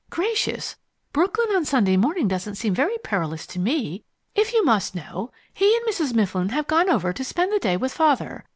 "Gracious, Brooklyn on Sunday morning doesn't seem very perilous to me. If you must know, he and Mrs. Mifflin have gone over to spend the day with father.